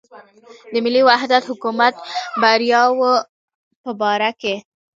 د ملي وحدت حکومت بریاوو په باره کې.